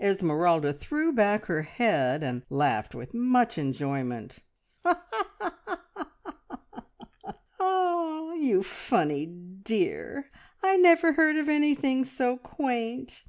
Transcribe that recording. Esmeralda threw back her head and laughed with much enjoyment. "You funny dear, I never heard of anything so quaint!